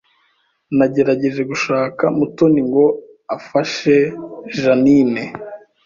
Nagerageje gushaka Mutoni ngo afashe Jeaninne